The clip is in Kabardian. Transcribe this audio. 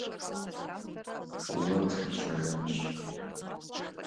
Гугъэ къысхэплъхьэжащ.